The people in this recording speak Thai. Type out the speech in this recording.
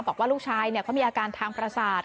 บอกว่าลูกชายเขามีอาการทางประสาท